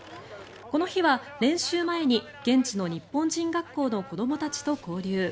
この日は練習前に現地の日本人学校の子どもたちと交流。